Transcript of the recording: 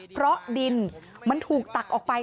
เพราะดินมันถูกตักออกไป